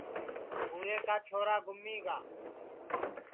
بھو رے کا چھورا گُمیگا ہے